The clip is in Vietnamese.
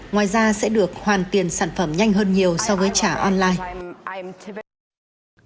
ngoài ra sẽ được hoàn tiền sản phẩm nhanh hơn nhiều so với trả online